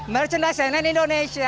merchandise cnn indonesia